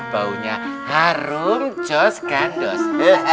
baunya harum jos gandos